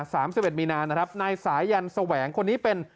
สามสิบเอ็ดมีนานะครับนายสายันแสวงคนนี้เป็น